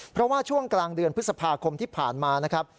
เพราะว่าช่วงกลางเดือนพฤษภาคมที่ผ่านมานะครับ